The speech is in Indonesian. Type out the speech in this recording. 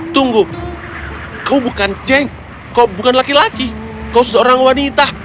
tunggu kau bukan ceng kau bukan laki laki kau seorang wanita